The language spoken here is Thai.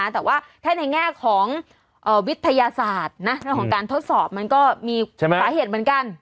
แต่ว่าถ้าในแง่ของวิทยาศาสตร์เรื่องของการทดสอบมันก็มีสาเหตุเหมือนกัน